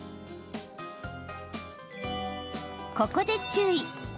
ここで注意。